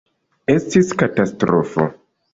Estis katastrofo.